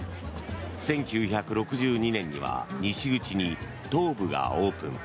１９６２年には西口に東武がオープン。